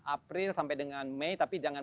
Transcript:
april sampai dengan mei tapi jangan